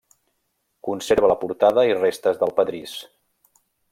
Conserva la portada i restes del pedrís.